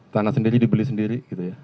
tanah sendiri dibeli sendiri